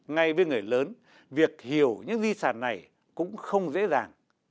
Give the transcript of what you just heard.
ngay với người lớn việc hiểu những di sản này cũng không dễ dàng